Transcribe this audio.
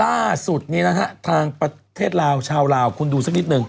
ล่าสุดนี้นะฮะทางประเทศลาวชาวลาวคุณดูสักนิดนึง